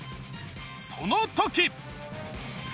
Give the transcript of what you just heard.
その時！